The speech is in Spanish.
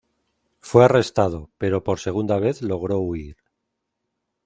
Fue arrestado, pero por segunda vez logró huir.